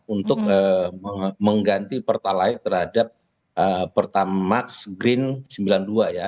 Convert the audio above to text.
untuk mengganti pertalite terhadap pertamax green sembilan puluh dua ya